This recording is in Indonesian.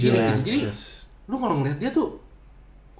jadi lo kalau ngeliat dia tuh